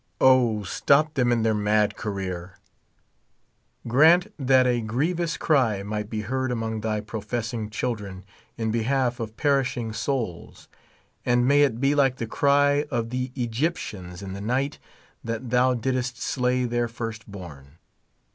O, stop them in their mad career ! Grant that a grievous cry might be heard among thy professing children in be half of perishing souls ; and inay it be like the cr}^ of the Egyptians in the night that thou didst slay their first born.